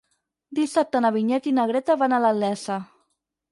Dissabte na Vinyet i na Greta van a la Iessa.